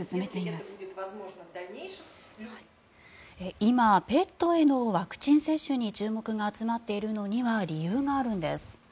今、ペットへのワクチン接種に注目が集まっているのには理由があるんです。